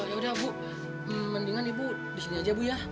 yaudah bu mendingan ibu di sini aja ya bu ya